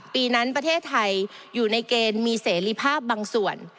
ปีนั้นประเทศไทยอยู่ในเกณฑ์มีเสรีภาพบางส่วน